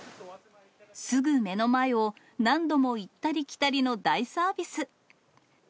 すぐ目の前を何度も行ったり来たりの大サービス。